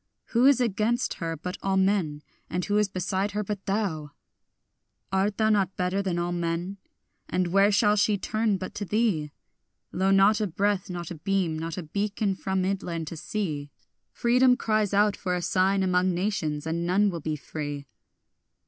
Who is against her but all men? and who is beside her but thou? Art thou not better than all men? and where shall she turn but to thee? Lo, not a breath, not a beam, not a beacon from midland to sea; Freedom cries out for a sign among nations, and none will be free.